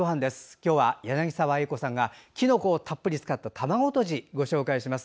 今日は柳澤英子さんがきのこをたっぷり使った卵とじをご紹介します。